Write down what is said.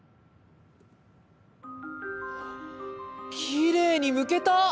きれいにむけた！